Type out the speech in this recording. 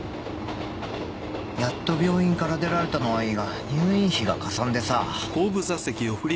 やっと病院から出られたのはいいが入院費がかさんでさ。